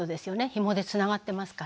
ひもでつながってますから。